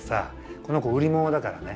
この子売り物だからね。